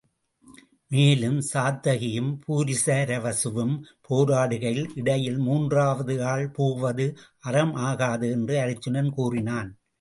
மேலும் சாத்தகியும் பூரிசிரவசுவும் போரிடுகையில் இடையில் மூன்றாவது ஆள் புகுவது அறம் ஆகாது என்று அருச்சுனன் கூறினான்.